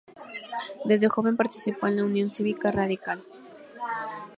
Desde joven participó en la Unión Cívica Radical.